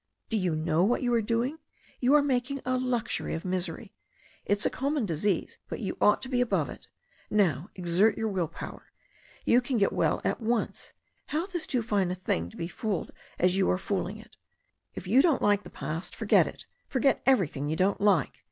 "Do you know what you are doing? You are making a luxury of misery. It's a common disease, but you ought to be above it. Now exert your will power. You can get well at once. Health is too fine a thing to be fooled as you are fooling it. If you don't like the past, forget it. Forget everjrthing you don't like."